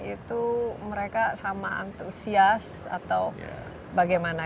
itu mereka sama antusias atau bagaimana